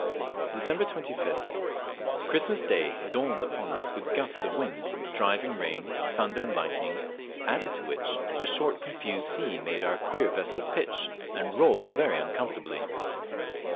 Dec.25th. Christmas day dawned upon us with gusts of wind, driving rain, thunder and lightning, added to which a short confused sea made our queer vessel pitch and roll very uncomfortably.